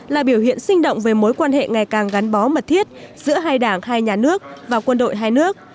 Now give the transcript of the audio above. là biểu hiện sinh động về mối quan hệ ngày càng gắn bó mật thiết giữa hai đảng hai nhà nước và quân đội hai nước